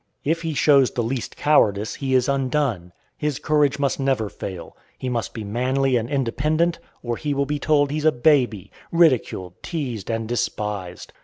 If he shows the least cowardice he is undone. His courage must never fail. He must be manly and independent, or he will be told he's a baby, ridiculed, teased, and despised.